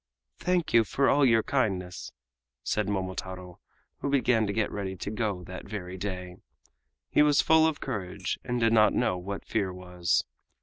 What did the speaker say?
"Thank you, for all your kindness," said Momotaro, who began to get ready to go that very day. He was full of courage and did not know what fear was.